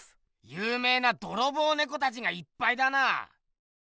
ゆうめいなドロボウネコたちがいっぱいだな。